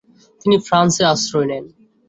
তিনি ফ্রান্সে আশ্রয় নেন।